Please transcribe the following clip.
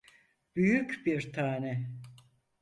Büyük bir tane.